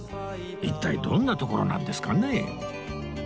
一体どんなところなんですかね？